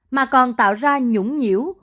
mà còn tạo ra nhũng nhiễu